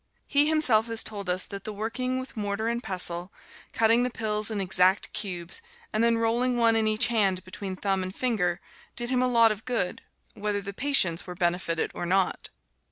He himself has told us that the working with mortar and pestle, cutting the pills in exact cubes, and then rolling one in each hand between thumb and finger, did him a lot of good, whether the patients were benefited or not.